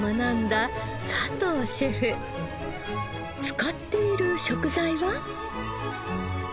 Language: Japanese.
使っている食材は？